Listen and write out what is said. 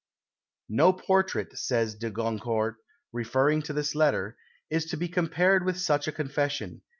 "No portrait," says de Goncourt, referring to this letter, "is to be compared with such a confession.